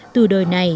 từ đời này